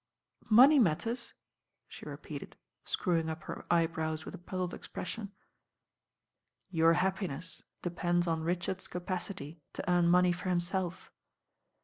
"Money matters I" she repeated, screwing up her eyebrows with a puzzled expression. "Your happiness depends on Richard's capacity to earn money for himself.